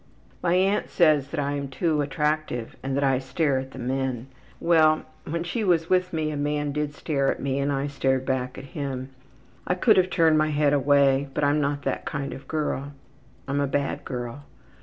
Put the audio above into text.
.... ``My aunt says that I am too attractive and that I stare at the men. Well, when she was with me a man did stare at me and I stared back at him. I could have turned my head away, but I'm not that kind of a girl. I'm a bad girl.